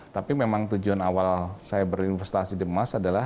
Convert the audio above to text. tapi memang kalau saya melihat nilai keuntungan emas saya tidak akan menguntungkan